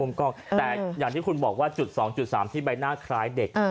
แต่อย่างที่คุณบอกว่าจุด๒๓ที่ใบหน้าคล้ายเด็ก